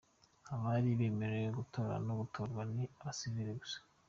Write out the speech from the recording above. Abari bemerewe gutora no gutorwa ni abasivili gusa.